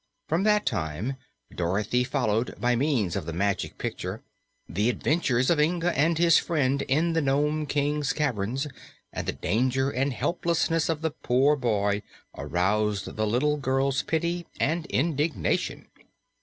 From that time Dorothy followed, by means of the Magic Picture, the adventures of Inga and his friend in the Nome King's caverns, and the danger and helplessness of the poor boy aroused the little girl's pity and indignation.